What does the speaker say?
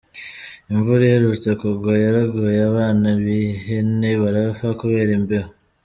Imvura iherutse kugwa yaraguye abana b’ihene barapfa kubera imbeho.